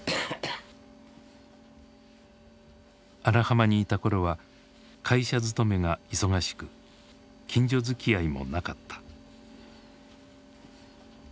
荒浜にいた頃は会社勤めが忙しく近所づきあいもなかった。